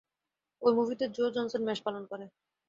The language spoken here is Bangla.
এই মুভিতে জো জনসন মেষপালন করে।